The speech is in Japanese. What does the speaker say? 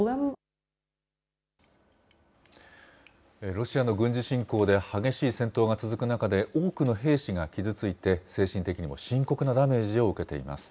ロシアの軍事侵攻で激しい戦闘が続く中で、多くの兵士が傷ついて、精神的にも深刻なダメージを受けています。